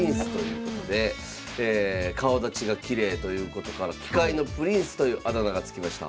顔だちがきれいということから「棋界のプリンス」というあだ名が付きました。